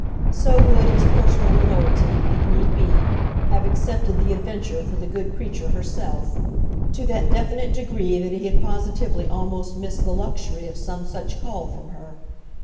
So would his personal loyalty, if need be, have accepted the adventure for the good creature herself; to that definite degree that he had positively almost missed the luxury of some such call from her.